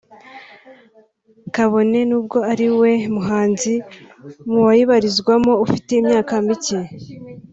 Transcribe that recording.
kabone n’ubwo ari we muhanzi mu bayibarizwamo ufite imyaka mike